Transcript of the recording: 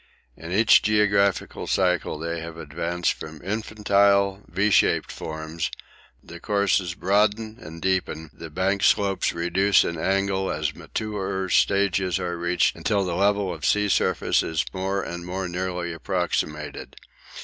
In each geographical cycle they have advanced from infantile V shaped forms; the courses broaden and deepen, the bank slopes reduce in angle as maturer stages are reached until the level of sea surface is more and more nearly approximated.